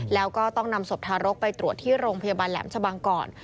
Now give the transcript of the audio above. แล้วก็ต้องนำศพทารกไปตรวจที่โรงพยาบาลแหลมชะบังก่อน